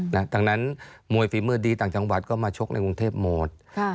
ดังนั้นมวยฝีมือดีต่างจังหวัดก็มาชกในกรุงเทพหมด